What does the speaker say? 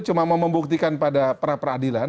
cuma mau membuktikan pada prapradilan